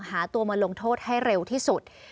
หาตัวมาลงโทษให้เร็วที่สุด